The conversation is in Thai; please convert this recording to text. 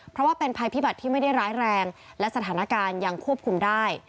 เพราะว่าเป็นภัยพิบัติที่ไม่ได้ร้ายแรงและสถานการณ์ยังควบคุมได้